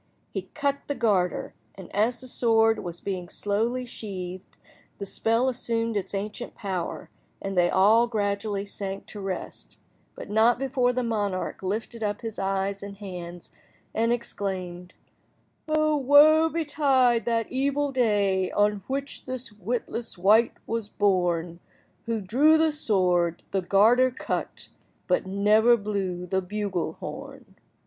He cut the garter, and, as the sword was being slowly sheathed, the spell assumed its ancient power, and they all gradually sank to rest, but not before the monarch lifted up his eyes and hands, and exclaimed— "O woe betide that evil day On which this witless wight was born Who drew the sword—the garter cut, But never blew the bugle–horn."